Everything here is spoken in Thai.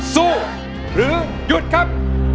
สู้หรือหยุดครับ